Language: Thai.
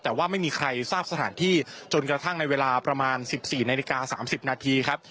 แต่ว่าไม่มีใครทราบสถานที่จนกระทั่งในเวลาประมาณ๑๔นาฬิกา๓๐นาทีครับ